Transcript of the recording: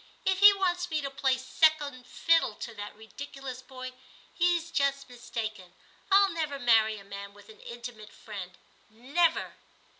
If he wants me to play second fiddle to that ridiculous boy, he's just mis taken ; I'll never marry a man with an intimate friend. Never.'